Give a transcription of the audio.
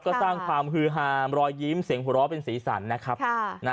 ก็สร้างความฮือฮามรอยยิ้มเสียงหัวเราะเป็นสีสันนะครับ